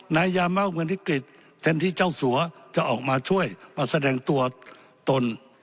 ยาเม่าเหมือนวิกฤตแทนที่เจ้าสัวจะออกมาช่วยมาแสดงตัวตน